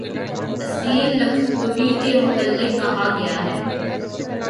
اسیر لکھنوی کے متعلق کہا گیا ہے